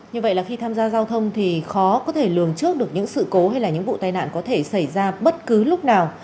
như vậy là khi tham gia giao thông thì khó có thể lường trước được những sự cố hay là những vụ tai nạn có thể xảy ra bất cứ lúc nào